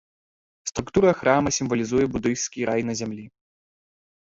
Структура храма сімвалізуе будыйскі рай на зямлі.